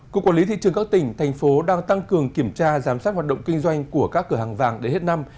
cục quản lý thị trường các tỉnh thành phố đang tăng cường kiểm tra giám sát hoạt động kinh doanh của các cửa hàng vàng để hết năm